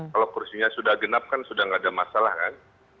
kalau kursinya sudah genap kan sudah tidak ada masalah kan